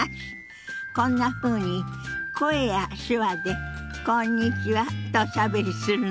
こんなふうに声や手話で「こんにちは」とおしゃべりするの。